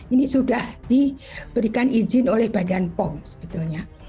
ini sudah diberikan izin oleh badan pom sebetulnya